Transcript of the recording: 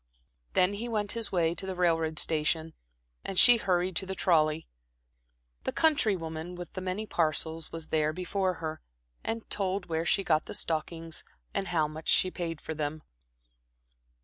Then he went his way to the railroad station, and she hurried to the trolley. The country woman with the many parcels was there before her, and told where she got the stockings, and how much she paid for them.